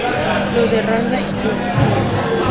Los de Ranma y Yu-Gi-Oh!